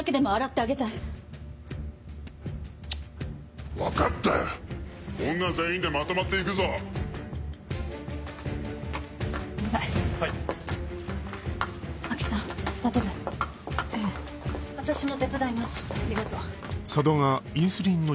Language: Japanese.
ありがとう。